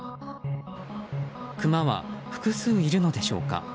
クマは複数いるのでしょうか。